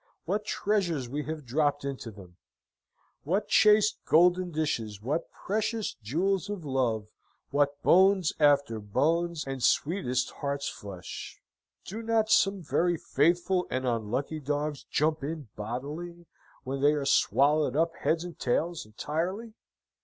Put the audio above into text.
What treasures we have dropped into them! What chased golden dishes, what precious jewels of love, what bones after bones, and sweetest heart's flesh! Do not some very faithful and unlucky dogs jump in bodily, when they are swallowed up heads and tails entirely?